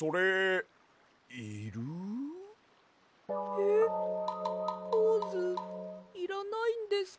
えっポーズいらないんですか？